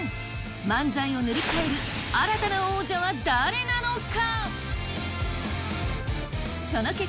漫才を塗り替える新たな王者は誰なのか！？